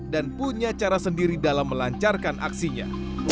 dan punya cara sendiri dalam melancarkan aksinya